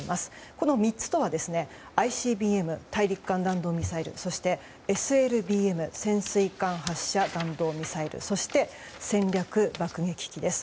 この３つとはＩＣＢＭ・大陸間弾道ミサイルそしてＳＬＢＭ・潜水艦発射弾道ミサイルそして、戦略爆撃機です。